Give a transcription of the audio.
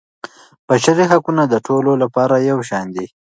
بشري حقونه د ټولو لپاره یو شان دي.